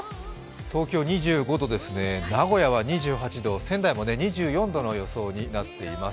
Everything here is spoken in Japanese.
東京２５度ですね、名古屋は２８度、仙台も２４度の予想になっています。